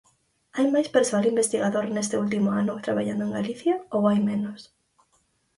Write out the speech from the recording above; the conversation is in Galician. ¿Hai máis persoal investigador neste último ano traballando en Galicia ou hai menos?